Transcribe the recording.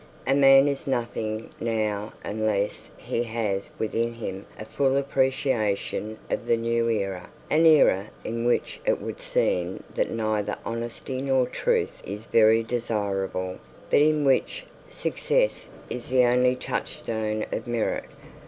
A man is nothing now unless he has within him a full appreciation of the new era; an ear in which it would seem that neither honesty nor truth is very desirable, but in which success is the only touchstone of merit.